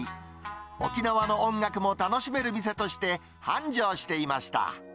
沖縄の音楽も楽しめる店として繁盛していました。